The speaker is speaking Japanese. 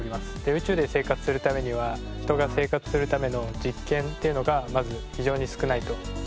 宇宙で生活するためには人が生活するための実験っていうのがまず非常に少ないと。